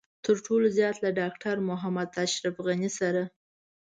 تر ټولو زيات له ډاکټر محمد اشرف غني سره.